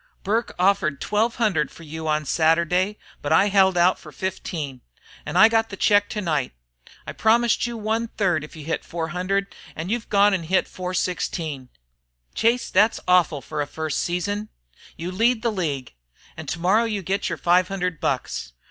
Burke offered twelve hundred fer you on Saturday, but I held out fer fifteen. An' I got the check to night. I promised you one third if you hit 400, an' you've gone an' hit 416. Chase, thet's awful fer a first season. You lead the league. An' tomorrow you git yer five hundred bucks.